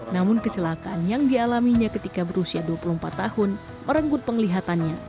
namun kecelakaan yang dialaminya ketika berusia dua puluh empat tahun merenggut penglihatannya